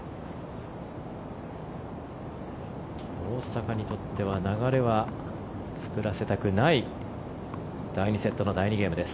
大坂にとっては流れは作らせたくない第２セットの第２ゲームです。